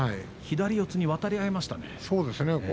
左四つに渡り合いましたね。